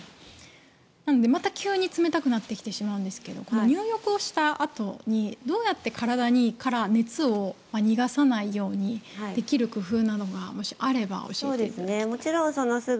なので、また急に冷たくなってきてしまうんですがこの入浴をしたあとにどうやって体から熱を逃がさないようにできる工夫などがもしあれば教えていただきたいんですが。